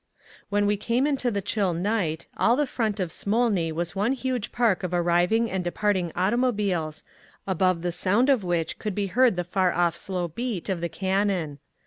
When we came into the chill night, all the front of Smolny was one huge park of arriving and departing automobiles, above the sound of which could be heard the far off slow beat of the cannon.